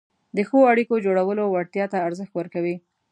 د ښو اړیکو جوړولو وړتیا ته ارزښت ورکوي،